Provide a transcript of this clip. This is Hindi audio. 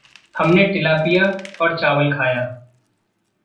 हमने टिलापिया और चावल खाया।